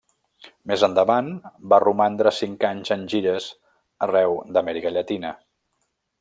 Més endavant va romandre cinc anys en gires arreu d'Amèrica Llatina.